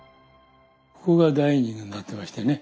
ここがダイニングになってましてね